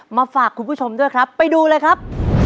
มาฝากคุณผู้ชมด้วยครับไปดูเลยครับ